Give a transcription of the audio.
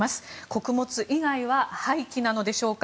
穀物以外は廃棄なのでしょうか。